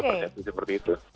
berpercaya seperti itu